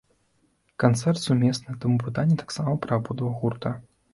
Канцэрт сумесны, таму пытанні таксама пра абодва гурта.